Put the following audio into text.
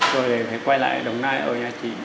rồi lại phải quay lại ở đồng nai ở nhà chị